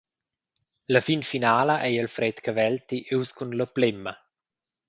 La fin finala ei Alfred Cavelti ius cun la plema.